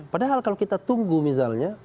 padahal kalau kita tunggu misalnya